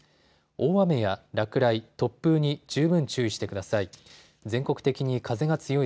大雨や落雷、突風に十分注意してください。